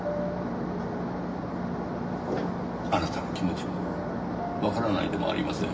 あなたの気持ちはわからないでもありません。